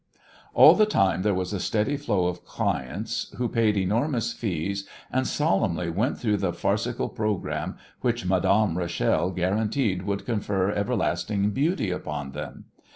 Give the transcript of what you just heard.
All the time there was a steady flow of clients who paid enormous fees and solemnly went through the farcial programme which Madame Rachel guaranteed would confer everlasting beauty upon them.